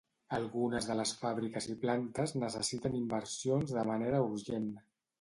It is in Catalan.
Algunes de les fàbriques i plantes necessiten inversions de manera urgent.